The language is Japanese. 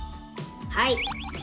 はい。